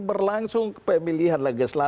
berlangsung ke pemilihan legasnya